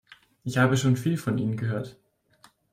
Ich habe schon viel von Ihnen gehört.